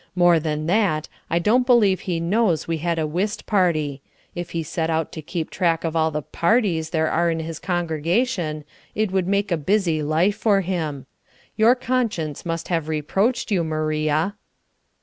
More than that, I don't believe he knows we had a whist party. If he set out to keep track of all the parties there are in his congregation it would make a busy life for him. Your conscience must have reproached you, Maria."